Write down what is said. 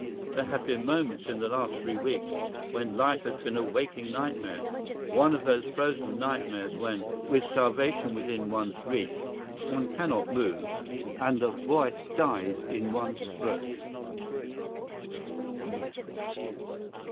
There have been moments in the last three weeks when life has been a waking nightmare, one of those frozen nightmares when, with salvation within one's reach, one cannot move, and the voice dies in one's throat.